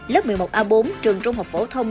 lớp một mươi một a bốn trường trung học phổ thông